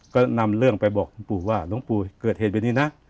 ก็นำเรื่องไปบอกคุณปู่ว่าหลวงปู่เกิดเหตุแบบนี้นะ